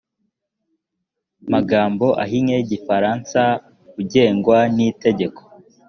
magambo ahinnye y igifaransa ugengwa n itegeko